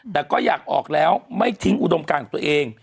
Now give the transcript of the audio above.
แต่ก็อยากออกแล้วไม่ทิ้งอุดมการของตัวเอง